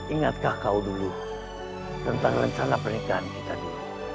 ingatkah kau dulu tentang rencana pernikahan kita dulu